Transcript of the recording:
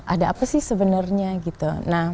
ada apa sih sebenarnya gitu